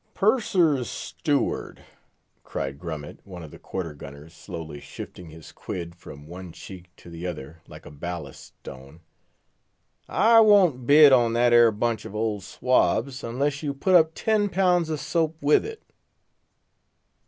"Purser's Steward!" cried Grummet, one of the quarter gunners, slowly shifting his quid from one cheek to the other, like a ballast stone, "I won't bid on that 'ere bunch of old swabs, unless you put up ten pounds of soap with it."